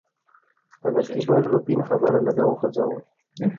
که د ګيل روبين خبره لږه وغزوو